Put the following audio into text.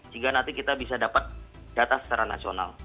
sehingga nanti kita bisa dapat data secara nasional